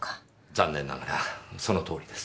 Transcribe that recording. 残念ながらそのとおりです。